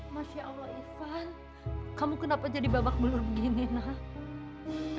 masya allah ivan kamu kenapa jadi babak belur begini nak